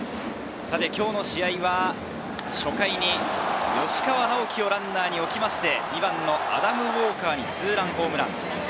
今日の試合は初回に吉川尚輝をランナーに置いて、アダム・ウォーカーにツーランホームラン。